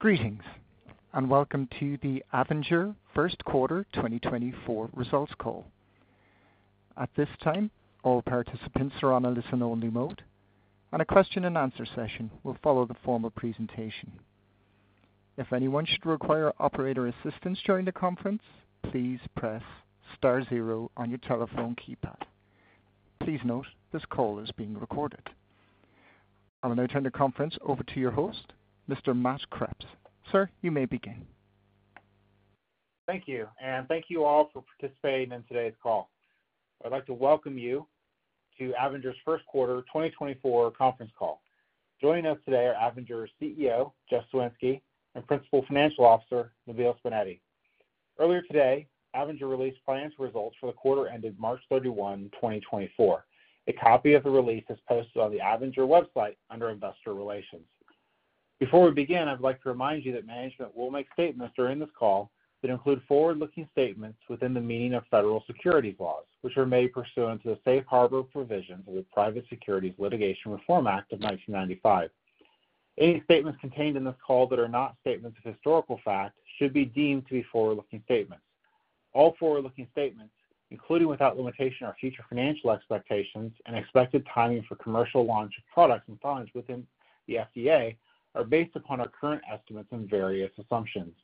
Greetings, and welcome to the Avinger First Quarter 2024 Results Call. At this time, all participants are on a listen-only mode, and a question-and-answer session will follow the formal presentation. If anyone should require operator assistance during the conference, please press star zero on your telephone keypad. Please note, this call is being recorded. I will now turn the conference over to your host, Mr. Matt Kreps. Sir, you may begin. Thank you, and thank you all for participating in today's call. I'd like to welcome you to Avinger's first quarter 2024 conference call. Joining us today are Avinger's CEO, Jeff Soinski, and Principal Financial Officer, Nabeel Subainati. Earlier today, Avinger released financial results for the quarter ended March 31, 2024. A copy of the release is posted on the Avinger website under Investor Relations. Before we begin, I'd like to remind you that management will make statements during this call that include forward-looking statements within the meaning of federal securities laws, which are made pursuant to the Safe Harbor Provisions of the Private Securities Litigation Reform Act of 1995. Any statements contained in this call that are not statements of historical fact should be deemed to be forward-looking statements. All forward-looking statements, including without limitation, our future financial expectations and expected timing for commercial launch of products and filings within the FDA, are based upon our current estimates and various assumptions.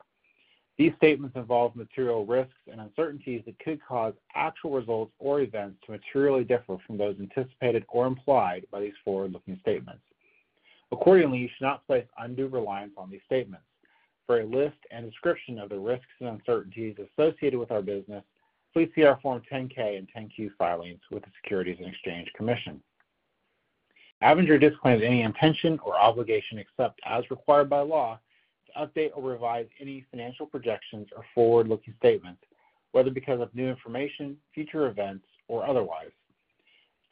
These statements involve material risks and uncertainties that could cause actual results or events to materially differ from those anticipated or implied by these forward-looking statements. Accordingly, you should not place undue reliance on these statements. For a list and description of the risks and uncertainties associated with our business, please see our Form 10-K and 10-Q filings with the Securities and Exchange Commission. Avinger disclaims any intention or obligation, except as required by law, to update or revise any financial projections or forward-looking statements, whether because of new information, future events, or otherwise.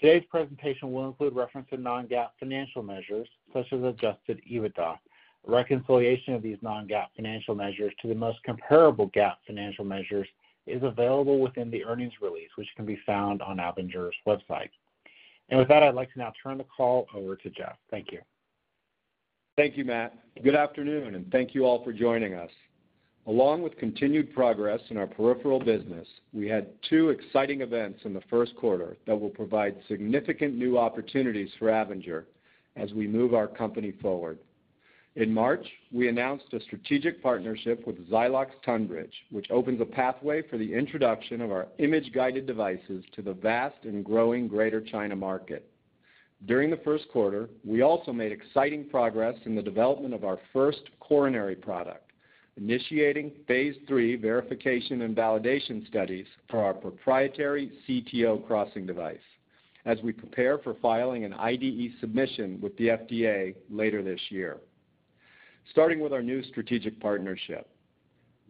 Today's presentation will include reference to non-GAAP financial measures, such as Adjusted EBITDA. A reconciliation of these non-GAAP financial measures to the most comparable GAAP financial measures is available within the earnings release, which can be found on Avinger's website. With that, I'd like to now turn the call over to Jeff. Thank you. Thank you, Matt. Good afternoon, and thank you all for joining us. Along with continued progress in our peripheral business, we had two exciting events in the first quarter that will provide significant new opportunities for Avinger as we move our company forward. In March, we announced a strategic partnership with Zylox-Tonbridge, which opens a pathway for the introduction of our image-guided devices to the vast and growing Greater China market. During the first quarter, we also made exciting progress in the development of our first coronary product, initiating phase III verification and validation studies for our proprietary CTO crossing device as we prepare for filing an IDE submission with the FDA later this year. Starting with our new strategic partnership,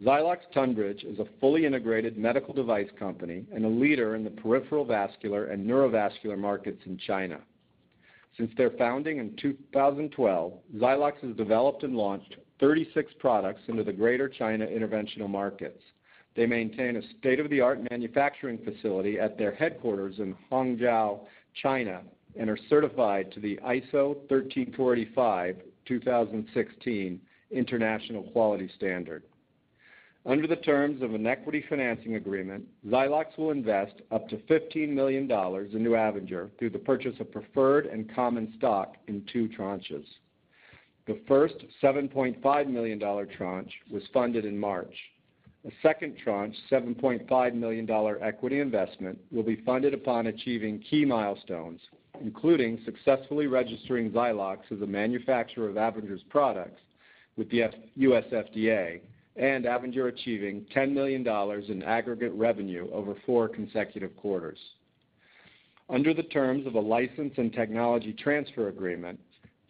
Zylox-Tonbridge is a fully integrated medical device company and a leader in the peripheral vascular and neurovascular markets in China. Since their founding in 2012, Zylox has developed and launched 36 products into the Greater China interventional markets. They maintain a state-of-the-art manufacturing facility at their headquarters in Hangzhou, China, and are certified to the ISO 13485:2016 international quality standard. Under the terms of an equity financing agreement, Zylox will invest up to $15 million into Avinger through the purchase of preferred and common stock in two tranches. The first $7.5 million tranche was funded in March. A second tranche, $7.5 million equity investment, will be funded upon achieving key milestones, including successfully registering Zylox as a manufacturer of Avinger's products with the U.S. FDA and Avinger achieving $10 million in aggregate revenue over four consecutive quarters. Under the terms of a license and technology transfer agreement,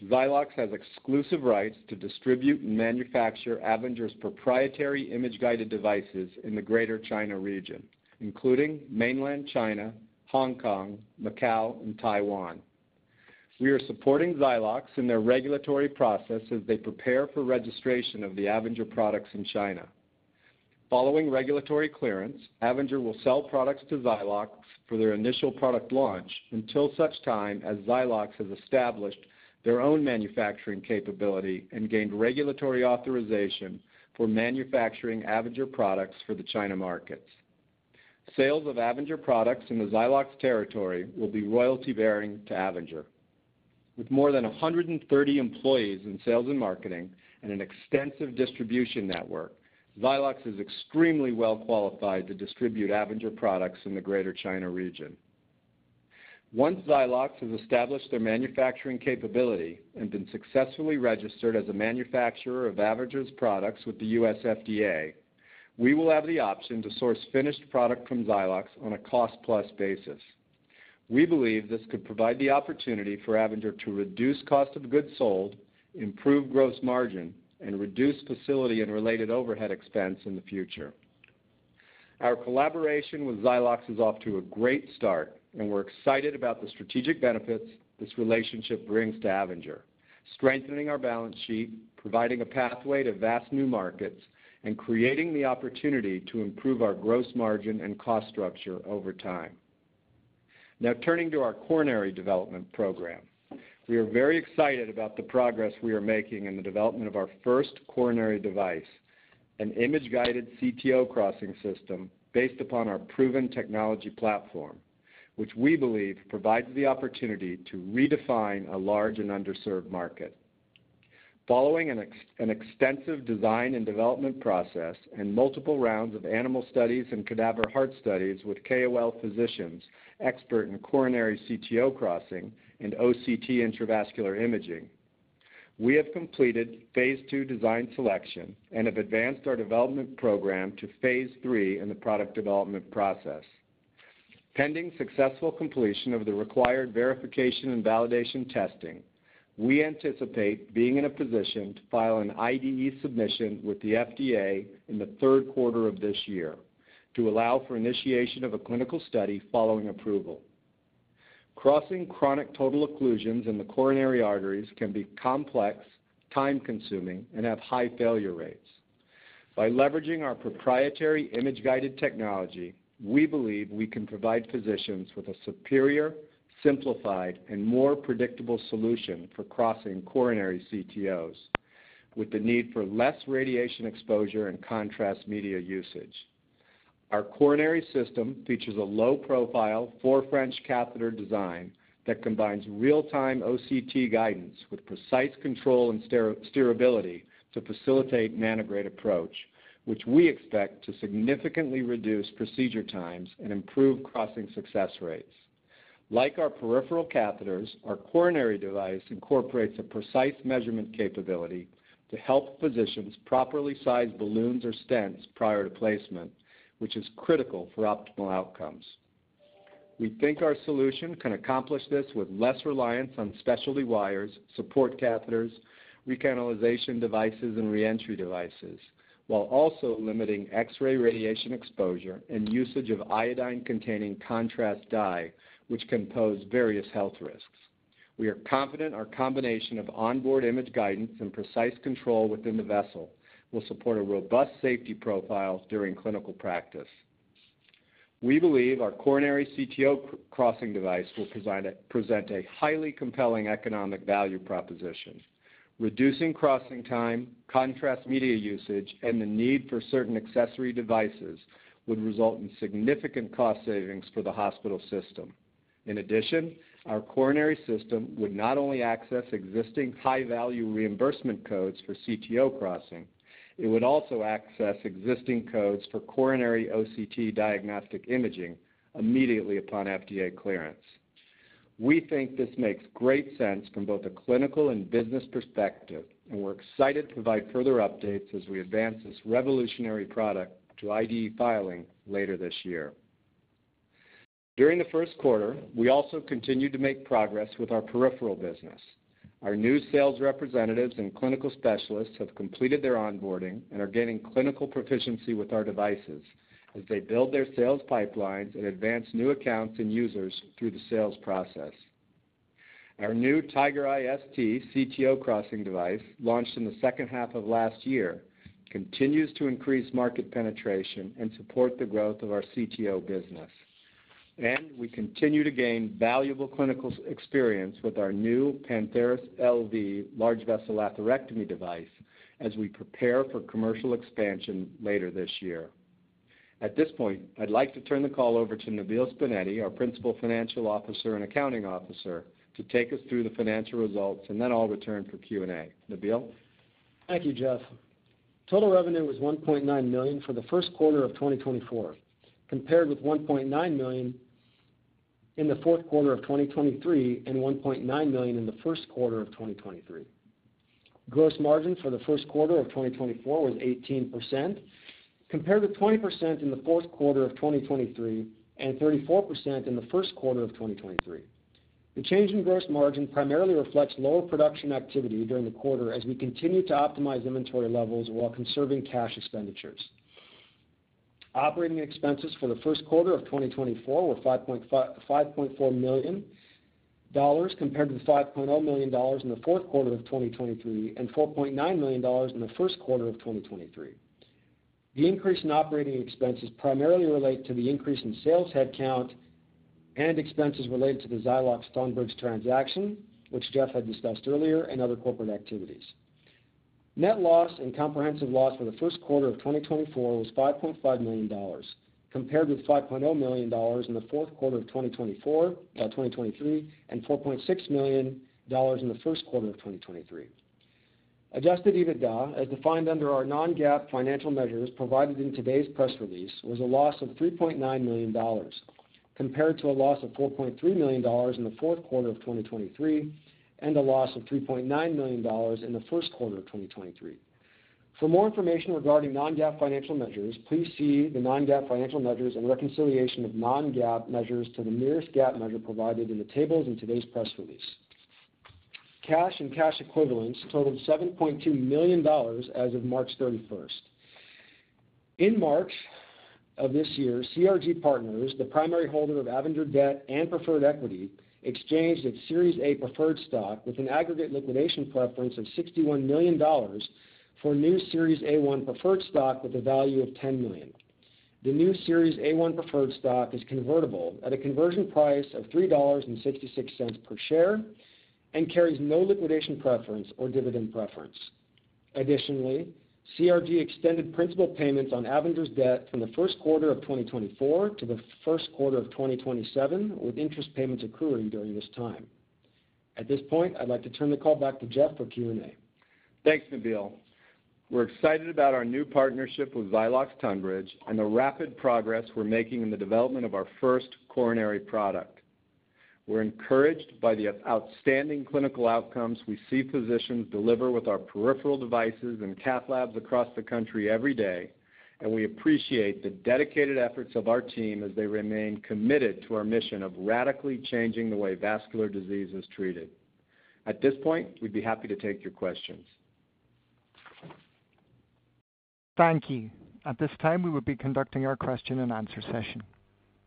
Zylox has exclusive rights to distribute and manufacture Avinger's proprietary image-guided devices in the Greater China region, including Mainland China, Hong Kong, Macau, and Taiwan. We are supporting Zylox in their regulatory process as they prepare for registration of the Avinger products in China. Following regulatory clearance, Avinger will sell products to Zylox for their initial product launch, until such time as Zylox has established their own manufacturing capability and gained regulatory authorization for manufacturing Avinger products for the China markets. Sales of Avinger products in the Zylox territory will be royalty-bearing to Avinger. With more than 130 employees in sales and marketing and an extensive distribution network, Zylox is extremely well qualified to distribute Avinger products in the Greater China region. Once Zylox has established their manufacturing capability and been successfully registered as a manufacturer of Avinger's products with the U.S. FDA, we will have the option to source finished product from Zylox on a cost-plus basis. We believe this could provide the opportunity for Avinger to reduce cost of goods sold, improve gross margin, and reduce facility and related overhead expense in the future. Our collaboration with Zylox is off to a great start, and we're excited about the strategic benefits this relationship brings to Avinger, strengthening our balance sheet, providing a pathway to vast new markets, and creating the opportunity to improve our gross margin and cost structure over time.... Now turning to our coronary development program. We are very excited about the progress we are making in the development of our first coronary device, an image-guided CTO crossing system based upon our proven technology platform, which we believe provides the opportunity to redefine a large and underserved market. Following an extensive design and development process and multiple rounds of animal studies and cadaver heart studies with KOL physicians, expert in coronary CTO crossing and OCT intravascular imaging, we have completed phase II design selection and have advanced our development program to phase III in the product development process. Pending successful completion of the required verification and validation testing, we anticipate being in a position to file an IDE submission with the FDA in the third quarter of this year to allow for initiation of a clinical study following approval. Crossing chronic total occlusions in the coronary arteries can be complex, time-consuming, and have high failure rates. By leveraging our proprietary image-guided technology, we believe we can provide physicians with a superior, simplified, and more predictable solution for crossing coronary CTOs, with the need for less radiation exposure and contrast media usage. Our coronary system features a low-profile, 4 French catheter design that combines real-time OCT guidance with precise control and steerability to facilitate antegrade approach, which we expect to significantly reduce procedure times and improve crossing success rates. Like our peripheral catheters, our coronary device incorporates a precise measurement capability to help physicians properly size balloons or stents prior to placement, which is critical for optimal outcomes. We think our solution can accomplish this with less reliance on specialty wires, support catheters, recanalization devices, and re-entry devices, while also limiting X-ray radiation exposure and usage of iodine-containing contrast dye, which can pose various health risks. We are confident our combination of onboard image guidance and precise control within the vessel will support a robust safety profile during clinical practice. We believe our coronary CTO crossing device will present a highly compelling economic value proposition. Reducing crossing time, contrast media usage, and the need for certain accessory devices would result in significant cost savings for the hospital system. In addition, our coronary system would not only access existing high-value reimbursement codes for CTO crossing, it would also access existing codes for coronary OCT diagnostic imaging immediately upon FDA clearance. We think this makes great sense from both a clinical and business perspective, and we're excited to provide further updates as we advance this revolutionary product to IDE filing later this year. During the first quarter, we also continued to make progress with our peripheral business. Our new sales representatives and clinical specialists have completed their onboarding and are gaining clinical proficiency with our devices as they build their sales pipelines and advance new accounts and users through the sales process. Our new Tigereye ST CTO crossing device, launched in the second half of last year, continues to increase market penetration and support the growth of our CTO business. We continue to gain valuable clinical experience with our new Pantheris LV large vessel atherectomy device as we prepare for commercial expansion later this year. At this point, I'd like to turn the call over to Nabeel Subainati, our Principal Financial Officer and Accounting Officer, to take us through the financial results, and then I'll return for Q&A. Nabeel? Thank you, Jeff. Total revenue was $1.9 million for the first quarter of 2024, compared with $1.9 million in the fourth quarter of 2023 and $1.9 million in the first quarter of 2023. Gross margin for the first quarter of 2024 was 18%, compared to 20% in the fourth quarter of 2023 and 34% in the first quarter of 2023. The change in gross margin primarily reflects lower production activity during the quarter as we continue to optimize inventory levels while conserving cash expenditures. Operating expenses for the first quarter of 2024 were $5.4 million, compared to $5.0 million in the fourth quarter of 2023 and $4.9 million in the first quarter of 2023. The increase in operating expenses primarily relate to the increase in sales headcount and expenses related to the Zylox-Tonbridge transaction, which Jeff had discussed earlier, and other corporate activities. Net loss and comprehensive loss for the first quarter of 2024 was $5.5 million, compared with $5.0 million in the fourth quarter of 2024, twenty twenty-three, and $4.6 million in the first quarter of 2023. Adjusted EBITDA, as defined under our non-GAAP financial measures provided in today's press release, was a loss of $3.9 million, compared to a loss of $4.3 million in the fourth quarter of 2023, and a loss of $3.9 million in the first quarter of 2023. For more information regarding non-GAAP financial measures, please see the non-GAAP financial measures and reconciliation of non-GAAP measures to the nearest GAAP measure provided in the tables in today's press release. Cash and cash equivalents totaled $7.2 million as of March 31. In March of this year, CRG Partners, the primary holder of Avinger debt and preferred equity, exchanged its Series A preferred stock with an aggregate liquidation preference of $61 million for new Series A-1 preferred stock with a value of $10 million. The new Series A-1 preferred stock is convertible at a conversion price of $3.66 per share and carries no liquidation preference or dividend preference. Additionally, CRG extended principal payments on Avinger's debt from the first quarter of 2024 to the first quarter of 2027, with interest payments accruing during this time. At this point, I'd like to turn the call back to Jeff for Q&A. Thanks, Nabeel. We're excited about our new partnership with Zylox-Tonbridge and the rapid progress we're making in the development of our first coronary product. We're encouraged by the outstanding clinical outcomes we see physicians deliver with our peripheral devices and cath labs across the country every day, and we appreciate the dedicated efforts of our team as they remain committed to our mission of radically changing the way vascular disease is treated. At this point, we'd be happy to take your questions. Thank you. At this time, we will be conducting our question-and-answer session.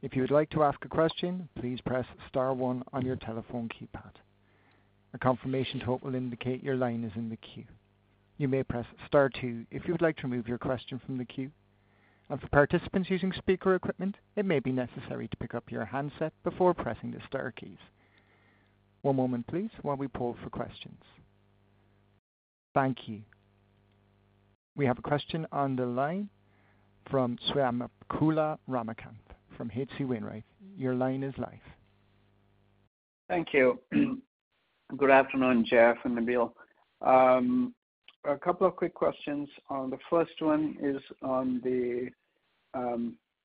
If you would like to ask a question, please press star one on your telephone keypad. A confirmation tone will indicate your line is in the queue. You may press star two if you would like to remove your question from the queue. And for participants using speaker equipment, it may be necessary to pick up your handset before pressing the star keys. One moment please, while we pull for questions. Thank you. We have a question on the line from Swayampakula Ramakanth from H.C. Wainwright. Your line is live. Thank you. Good afternoon, Jeff and Nabeel. A couple of quick questions. On the first one is on the,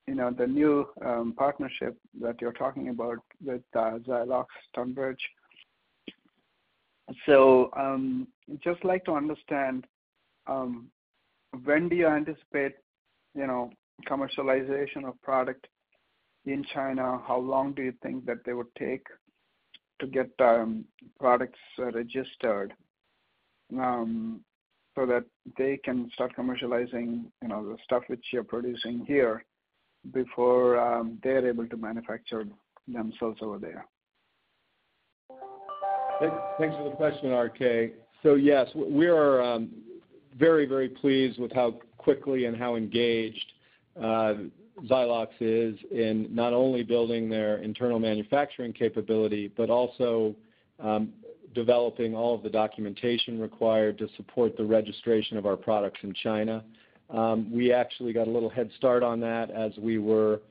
you know, the new, partnership that you're talking about with, Zylox-Tonbridge. So, just like to understand, when do you anticipate, you know, commercialization of product in China? How long do you think that they would take to get, products, registered, so that they can start commercializing, you know, the stuff which you're producing here before, they're able to manufacture themselves over there? Thanks for the question, RK. So yes, we are very, very pleased with how quickly and how engaged Zylox is in not only building their internal manufacturing capability, but also developing all of the documentation required to support the registration of our products in China. We actually got a little head start on that as we were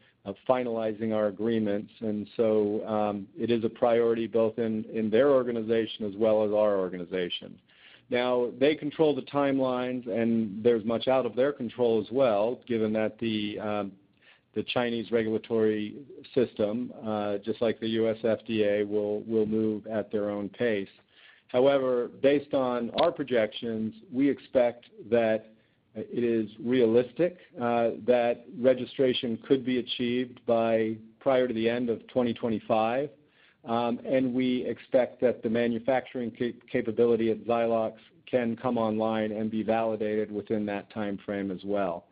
finalizing our agreements, and so it is a priority both in their organization as well as our organization. Now, they control the timelines, and there's much out of their control as well, given that the Chinese regulatory system, just like the U.S. FDA, will move at their own pace. However, based on our projections, we expect that it is realistic that registration could be achieved by prior to the end of 2025. and we expect that the manufacturing capability at Zylox can come online and be validated within that timeframe as well.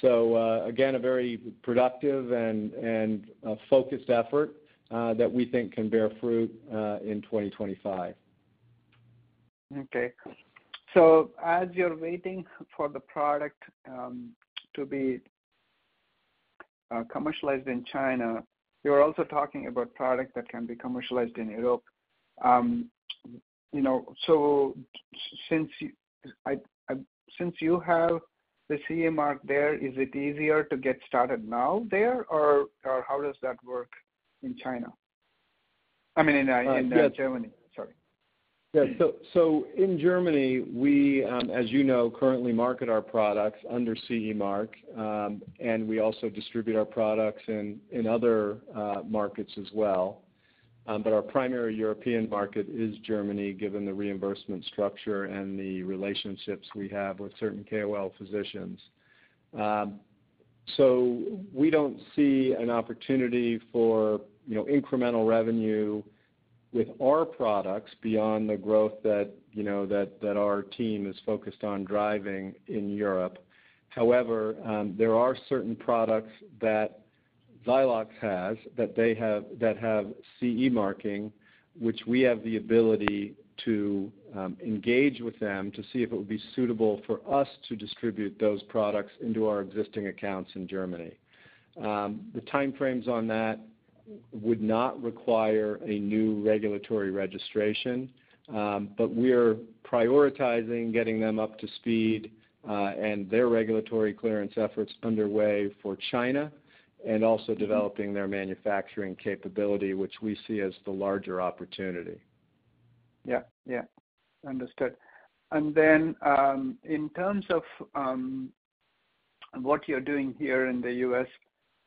So, again, a very productive and focused effort that we think can bear fruit in 2025. Okay. So as you're waiting for the product to be commercialized in China, you're also talking about product that can be commercialized in Europe. You know, so since you have the CE mark there, is it easier to get started now there, or how does that work in China? I mean, in, in Germany, sorry. Yes. So, in Germany, we, as you know, currently market our products under CE mark. And we also distribute our products in other markets as well. But our primary European market is Germany, given the reimbursement structure and the relationships we have with certain KOL physicians. So we don't see an opportunity for, you know, incremental revenue with our products beyond the growth that, you know, our team is focused on driving in Europe. However, there are certain products that Zylox has that have CE marking, which we have the ability to engage with them to see if it would be suitable for us to distribute those products into our existing accounts in Germany. The timeframes on that would not require a new regulatory registration, but we're prioritizing getting them up to speed, and their regulatory clearance efforts underway for China, and also developing their manufacturing capability, which we see as the larger opportunity. Yeah, yeah. Understood. And then, in terms of what you're doing here in the U.S.,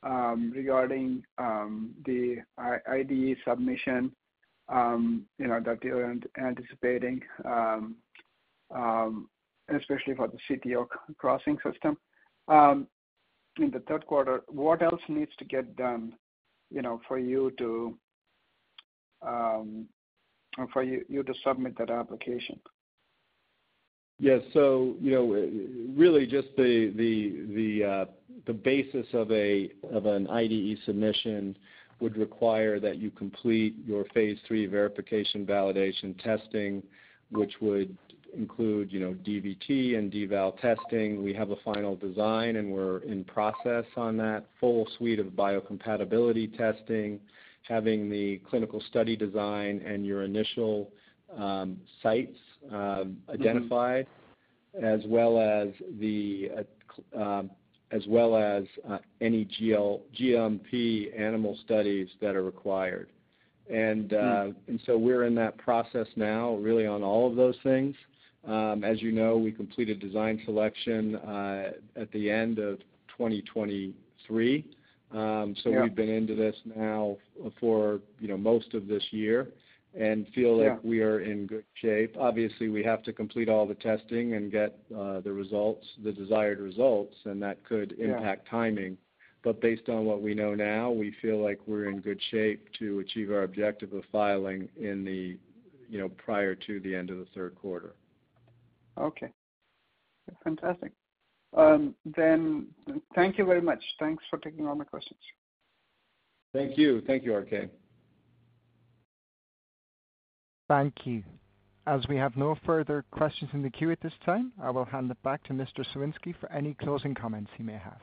regarding the IDE submission, you know, that you're anticipating, especially for the CTO crossing system. In the third quarter, what else needs to get done, you know, for you to submit that application? Yes, so, you know, really just the basis of an IDE submission would require that you complete your phase III verification, validation testing, which would include, you know, DVT and D-Val testing. We have a final design, and we're in process on that full suite of biocompatibility testing, having the clinical study design and your initial sites. Mm-hmm... identified, as well as any GLP-GMP animal studies that are required. Mm-hmm. And so we're in that process now, really on all of those things. As you know, we completed design selection at the end of 2023. Yeah. So we've been into this now for, you know, most of this year- Yeah... and feel like we are in good shape. Obviously, we have to complete all the testing and get, the results, the desired results, and that could- Yeah... impact timing. But based on what we know now, we feel like we're in good shape to achieve our objective of filing in the, you know, prior to the end of the third quarter. Okay. Fantastic. Thank you very much. Thanks for taking all my questions. Thank you. Thank you, R.K. Thank you. As we have no further questions in the queue at this time, I will hand it back to Mr. Soinski for any closing comments he may have.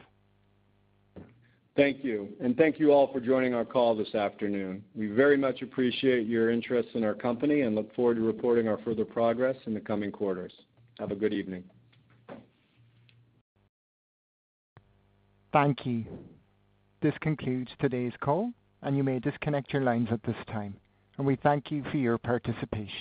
Thank you, and thank you all for joining our call this afternoon. We very much appreciate your interest in our company and look forward to reporting our further progress in the coming quarters. Have a good evening. Thank you. This concludes today's call, and you may disconnect your lines at this time. And we thank you for your participation.